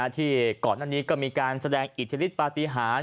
ที่ก่อนหน้านี้ก็มีการแสดงอิทธิฤทธปฏิหาร